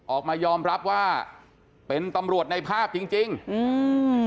ออกมายอมรับว่าเป็นตำรวจในภาพจริงจริงอืม